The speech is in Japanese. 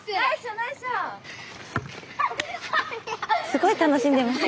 すごい楽しんでます。